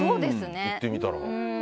言ってみたら。